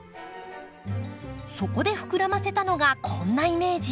そこで膨らませたのがこんなイメージ。